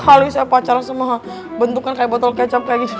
terus saya pacaran sama bentuknya kayak botol kecap kayak gitu